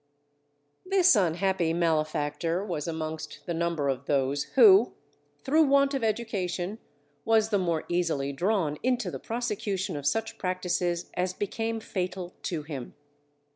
This unhappy malefactor was amongst the number of those who, through want of education, was the more easily drawn into the prosecution of such practices as became fatal to him.